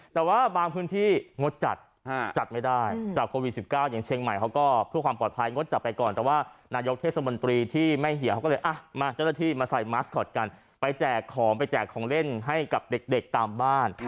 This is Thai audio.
แต่ว่าบางพื้นที่งดจัดจัดไม่ได้จากโควิด๑๙อย่างเชียงใหม่เขาก็เพื่อความปลอดภัยงดจัดไปก่อนแต่ว่านายกเทศมนตรีที่ไม่เหี่ยวเขาก็เลยมาเจ้าหน้าที่มาใส่มาสคอตกันไปแจกของไปแจกของเล่นให้กับเด็กตามบ้าน